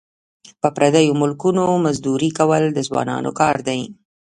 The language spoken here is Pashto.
په پردیو ملکونو مزدوري کول د ځوانانو کار دی.